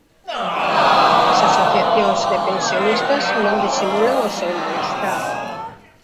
As asociacións de pensionistas non disimulan o seu malestar.